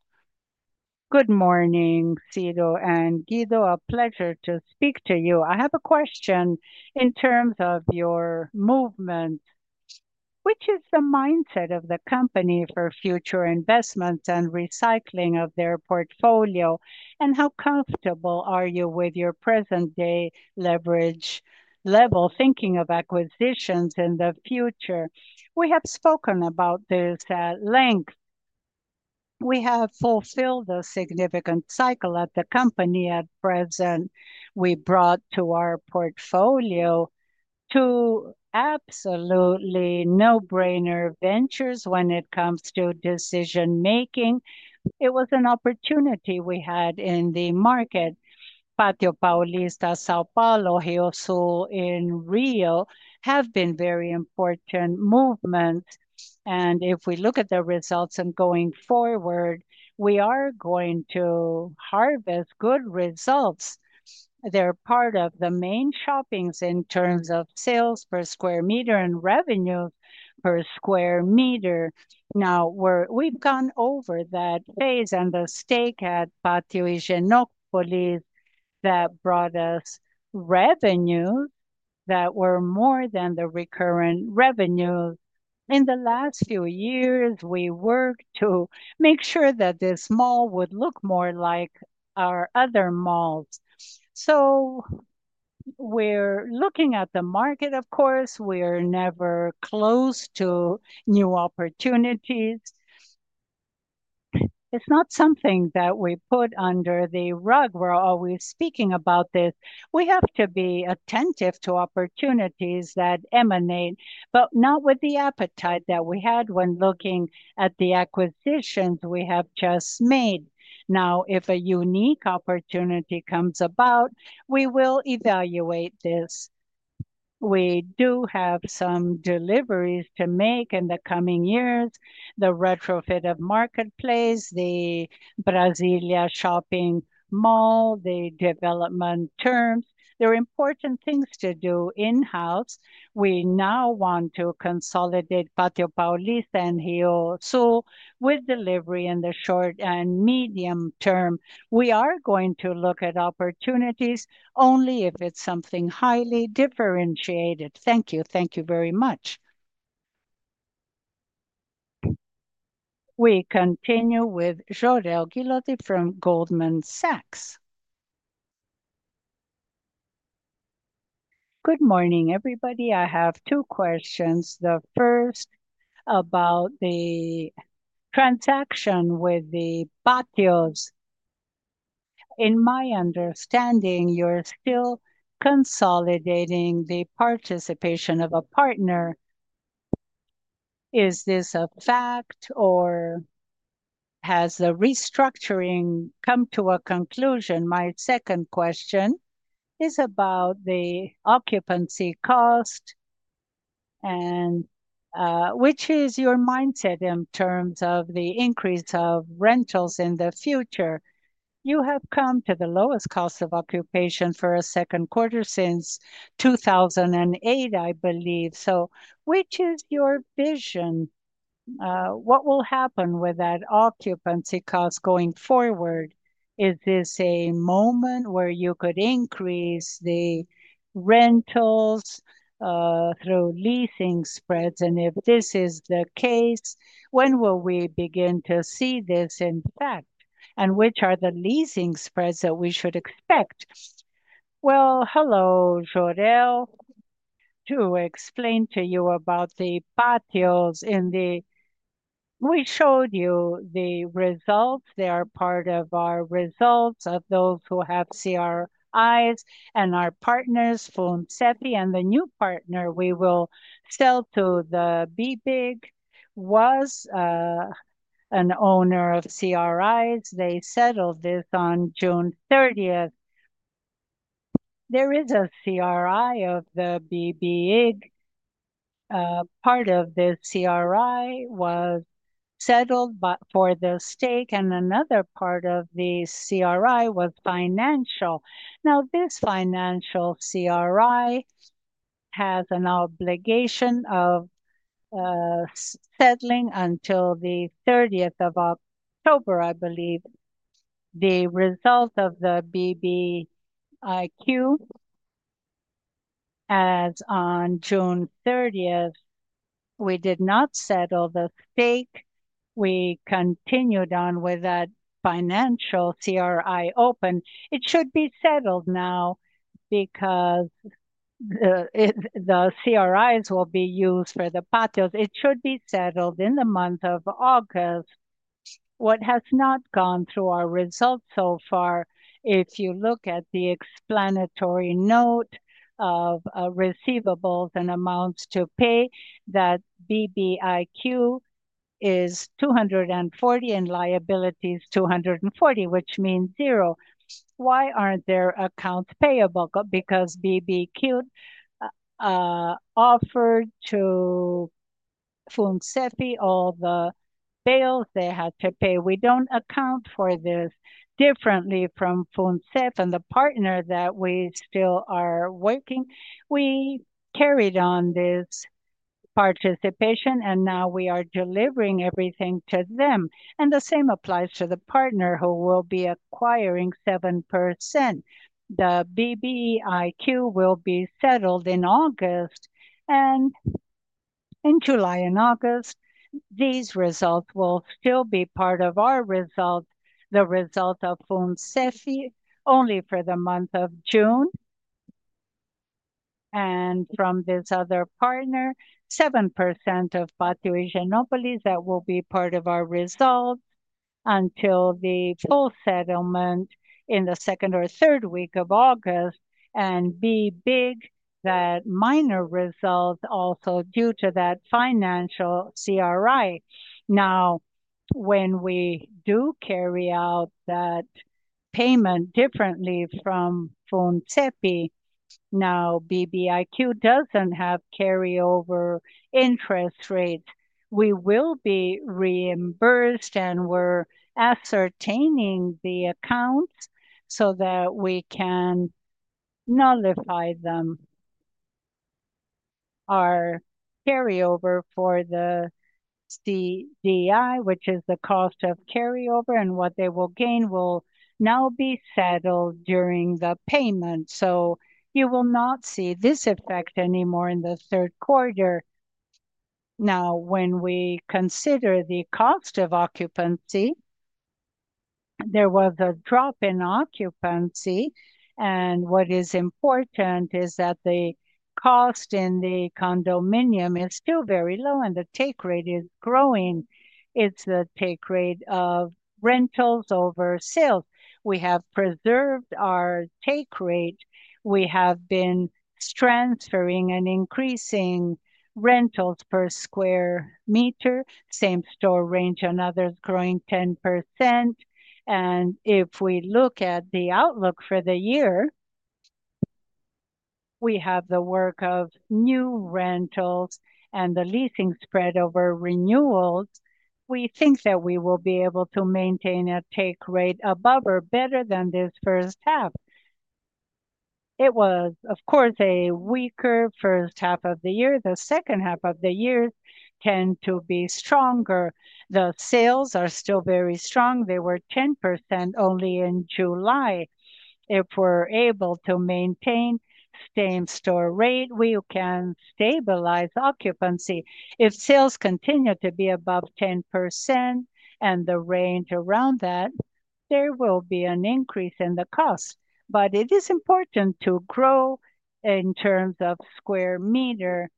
Good morning, Ciro and Guido. A pleasure to speak to you. I have a question in terms of your movement. What is the mindset of the company for future investments and recycling of their portfolio? How comfortable are you with your present-day leverage level, thinking of acquisitions in the future? We have spoken about this at length. We have fulfilled a significant cycle at the company at present. We brought to our portfolio two absolutely no-brainer ventures when it comes to decision-making. It was an opportunity we had in the market. Pátio Paulista, São Paulo, and Rio Sul in Rio de Janeiro have been very important movements. If we look at the results and going forward, we are going to harvest good results. They're part of the main shoppings in terms of sales per square meter and revenue per square meter. Now, we've gone over that phase and the stake at Pátio Higienópolis that brought us revenues that were more than the recurrent revenue. In the last few years, we worked to make sure that this mall would look more like our other malls. We're looking at the market, of course. We are never close to new opportunities. It's not something that we put under the rug. We're always speaking about this. We have to be attentive to opportunities that emanate, but not with the appetite that we had when looking at the acquisitions we have just made. If a unique opportunity comes about, we will evaluate this. We do have some deliveries to make in the coming years. The retrofit of Marketplace, the Brasília shopping mall, the development terms, there are important things to do in-house. We now want to consolidate Pátio Paulista and Rio Sul with delivery in the short and medium term. We are going to look at opportunities only if it's something highly differentiated. Thank you. Thank you very much. We continue with Jorel Guilotti from Goldman Sachs. Good morning, everybody. I have two questions. The first is about the transaction with the Pátios. In my understanding, you're still consolidating the participation of a partner. Is this a fact, or has the restructuring come to a conclusion? My second question is about the occupancy cost, and which is your mindset in terms of the increase of rentals in the future? You have come to the lowest cost of occupation for a second quarter since 2008, I believe. Which is your vision? What will happen with that occupancy cost going forward? Is this a moment where you could increase the rentals through leasing spreads and if this is the case, when will we begin to see this impact and which are the leasing spreads that we should expect? Hello Jorel, to explain to you about the Pátio in the... We showed you the results. They are part of our results of those who have CRIs and our partners from SETI and the new partner we will sell to, the BBIG, was an owner of CRIs. They settled this on June 30th. There is a CRI of the BBIG. Part of this CRI was settled for the stake and another part of the CRI was financial. Now this financial CRI has an obligation of settling until the 30th of October, I believe. The result of the BBIG as on June 30th, we did not settle the stake. We continued on with that financial CRI open. It should be settled now because the CRIs will be used for the Pátio. It should be settled in the month of August. What has not gone through our results so far, if you look at the explanatory note of receivables and amounts to pay, that BBIG is 240 and liabilities 240, which means zero. Why aren't there accounts payable? Because BBIG offered to FunCEPI all the bails they had to pay. We don't account for this differently from FunCEPI and the partner that we still are working. We carried on this participation and now we are delivering everything to them. The same applies to the partner who will be acquiring 7%. The BBIG will be settled in August and in July and August. These results will still be part of our result, the result of FunCEPI only for the month of June. From this other partner, 7% of Pátio Higienópolis will be part of our result until the full settlement in the second or third week of August. There will be minor results also due to that financial CRI. When we do carry out that payment, differently from FunCEPI, now BBIQ doesn't have carryover interest rate. We will be reimbursed and we're ascertaining the accounts so that we can nullify them. Our carryover for the CDI, which is the cost of carryover and what they will gain, will now be settled during the payment. You will not see this effect anymore in the third quarter. When we consider the cost of occupancy, there was a drop in occupancy and what is important is that the cost in the condominium is still very low and the take rate is growing. It's the take rate of rentals over sales. We have preserved our take rate. We have been transferring and increasing rentals per square meter, same store range and others growing 10%. If we look at the outlook for the year, we have the work of new rentals and the leasing spread over renewals. We think that we will be able to maintain a take rate above or better than this first half. It was, of course, a weaker first half of the year. The second half of the year tends to be stronger. The sales are still very strong. They were 10% only in July. If we're able to maintain the same store rate, we can stabilize occupancy. If sales continue to be above 10% and the range around that, there will be an increase in the cost. It is important to grow in terms of square meter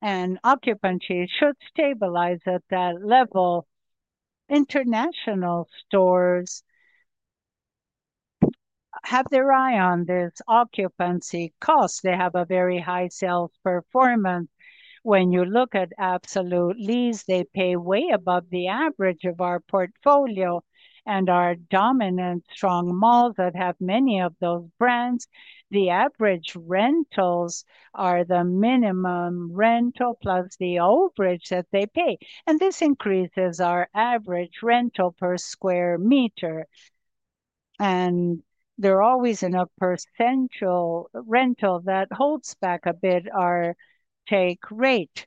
and occupancy should stabilize at that level. International stores have their eye on this occupancy cost. They have a very high sales performance. When you look at absolute lease, they pay way above the average of our portfolio and our dominant strong malls that have many of those brands. The average rentals are the minimum rental plus the overage that they pay. This increases our average rental per square meter. They're always in a percentage rental that holds back a bit our take rate.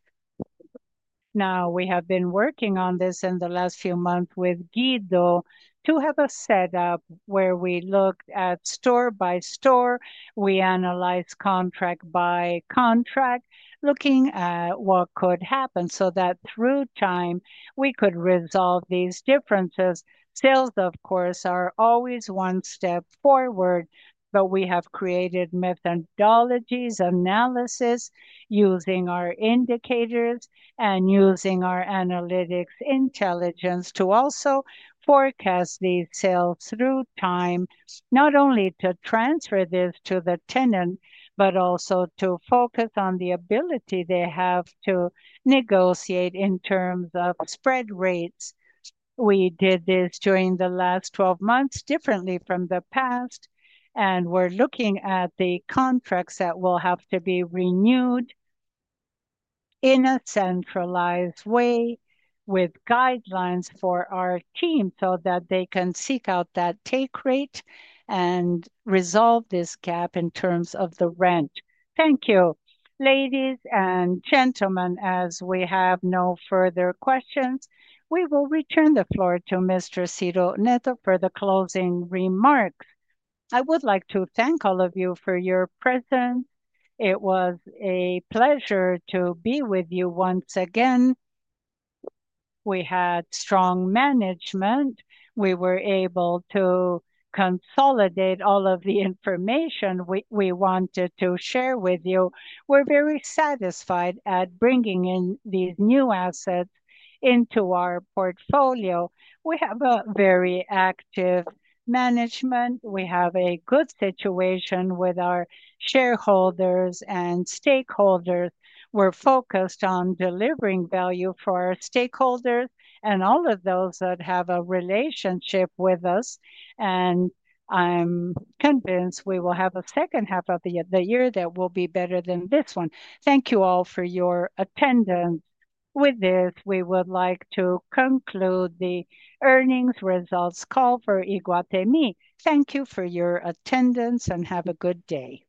We have been working on this in the last few months with Guido Oliveira to have a setup where we look at store by store. We analyze contract by contract, looking at what could happen so that through time we could resolve these differences. Sales, of course, are always one step forward, but we have created methodologies analysis using our indicators and using our analytics intelligence to also forecast these sales through time, not only to transfer this to the tenant, but also to focus on the ability they have to negotiate in terms of spread rates. We did this during the last 12 months, differently from the past, and we're looking at the contracts that will have to be renewed in a centralized way with guidelines for our team so that they can seek out that take rate and resolve this gap in terms of the rent. Thank you, ladies and gentlemen. As we have no further questions, we will return the floor to Mr. Ciro Neto for the closing remarks. I would like to thank all of you for your presence. It was a pleasure to be with you once again. We had strong management. We were able to consolidate all of the information we wanted to share with you. We're very satisfied at bringing in these new assets into our portfolio. We have a very active management. We have a good situation with our shareholders and stakeholders. We're focused on delivering value for our stakeholders and all of those that have a relationship with us. I'm convinced we will have a second half of the year that will be better than this one. Thank you all for your attendance. With this, we would like to conclude the earnings results call for Iguatemi S.A.Thank you for your attendance and have a good day.